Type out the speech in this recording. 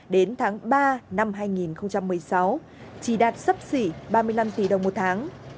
doanh thu của trạm bot pháp vân cầu rẽ chỉ đạt sấp xỉ ba mươi năm tỷ đồng một tháng